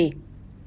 bố của cháu bé